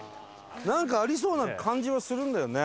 なんかありそうな感じはするんだよね。